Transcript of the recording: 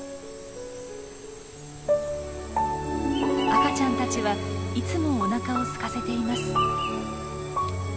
赤ちゃんたちはいつもおなかをすかせています。